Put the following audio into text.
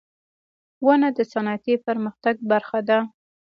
• ونه د صنعتي پرمختګ برخه ده.